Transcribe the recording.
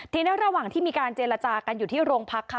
ทีนี้ระหว่างที่มีการเจรจากันอยู่ที่โรงพักค่ะ